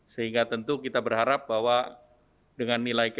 sehingga tentu kita berharap bahwa dengan nilai kekaya